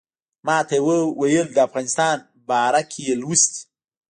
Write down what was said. ماته یې ویل د افغانستان باره کې یې لوستي.